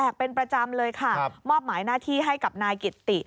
ดีจังค่ะมอบหมายหน้าที่ให้กับนายกิตติ